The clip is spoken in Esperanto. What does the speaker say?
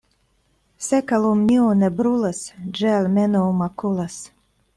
Se kalumnio ne brulas, ĝi almenaŭ makulas.